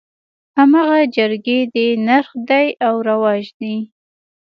هماغه جرګې دي نرخ دى او رواج دى.